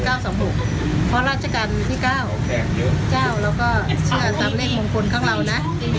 เพราะราชการที่๙เราก็เชื่อตามเลขมงคลของเรานะ